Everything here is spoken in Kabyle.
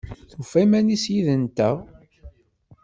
Tufa iman-is yid-nteɣ?